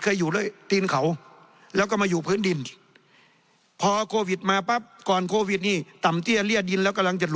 เคยอยู่ด้วยตีนเขา